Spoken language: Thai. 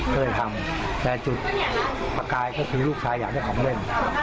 เคยทำแต่จุดประกายก็คือลูกชายอยากได้ของเล่น